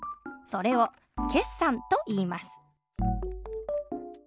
それを決算といいます。